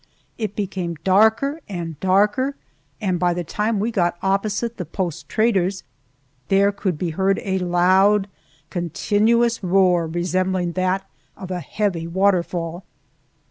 It became darker and darker, and by the time we got opposite the post trader's there could be heard a loud, continuous roar, resembling that of a heavy waterfall.